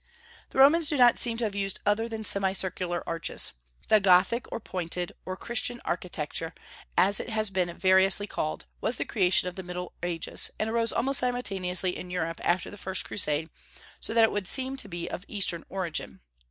The Romans do not seem to have used other than semicircular arches. The Gothic, or Pointed, or Christian architecture, as it has been variously called, was the creation of the Middle Ages, and arose almost simultaneously in Europe after the first Crusade, so that it would seem to be of Eastern origin.